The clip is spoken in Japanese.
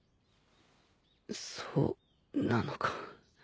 そうなのか。